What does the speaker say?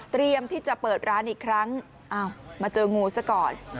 ที่จะเปิดร้านอีกครั้งอ้าวมาเจองูซะก่อน